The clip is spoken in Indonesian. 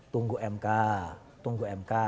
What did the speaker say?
tunggu mk tunggu mk